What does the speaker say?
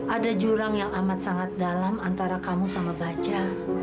ada jurang yang amat sangat dalam antara kamu sama baca